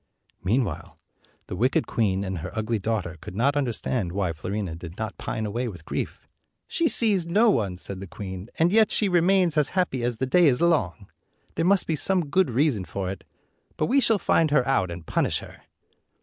Meanwhile the wicked queen and her ugly daughter could not understand why Fiorina did not pine away with grief. "She sees no one," said the queen, "and yet she remains as happy as the day is long. There 218 must be some good reason for it; but we shall find her out and punish her."